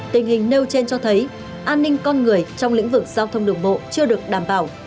tình hình nêu trên cho thấy an ninh con người trong lĩnh vực giao thông đường bộ chưa được đảm bảo